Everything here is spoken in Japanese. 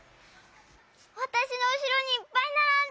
わたしのうしろにいっぱいならんでる！